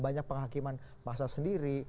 banyak penghakiman bahasa sendiri